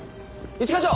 一課長！